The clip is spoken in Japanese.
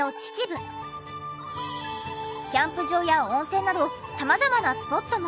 キャンプ場や温泉など様々なスポットも。